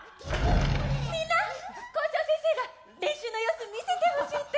みんな校長先生が練習の様子見せてほしいって。